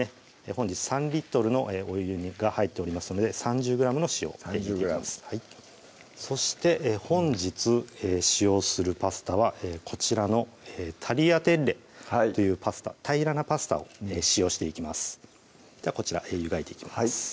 本日３リットルのお湯が入っておりますので３０ｇの塩３０ｇそして本日使用するパスタはこちらのタリアテッレというパスタ平らなパスタを使用していきますではこちら湯がいていきます